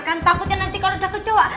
kan takutnya nanti kalau ada kecoak